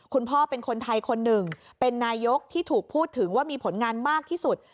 คุณพ่อเป็นคนไทยคนหนึ่งเป็นนายกที่ถูกพูดถึงว่ามีผลงานมากที่สุด